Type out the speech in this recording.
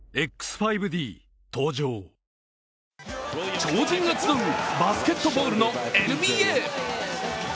超人が集うバスケットボールのＮＢＡ。